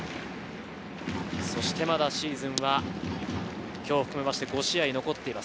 まだシーズンは今日を含めまして５試合残っています。